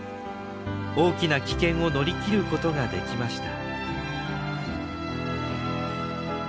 大きな危険を乗り切ることができました。